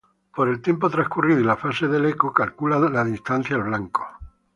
Por el tiempo transcurrido y la fase del eco, calcula la distancia al blanco.